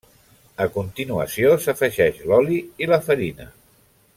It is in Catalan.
A continuació s'afegeix l'oli i la farina.